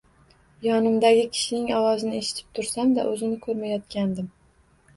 Yonimdagi kishining ovozini eshitib tursam-da, o`zini ko`rmayotgandim